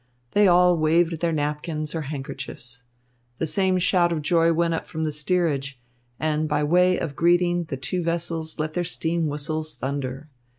They all waved their napkins or handkerchiefs. The same shout of joy went up from the steerage, and by way of greeting the two vessels let their steam whistles thunder.